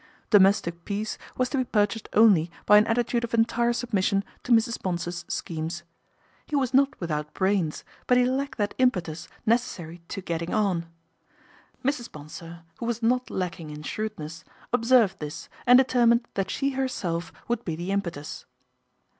Domestic peace was to be purchased only by an attitude of entire submission to Mrs. Bonsor's schemes. He was not without brains, but he lacked that impetus necessary to " getting on." Mrs. Bonsor, who was not lacking in shrewdness, observed this and determined that she herself would be the impetus.